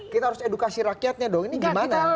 kita harus edukasi rakyatnya dong ini gimana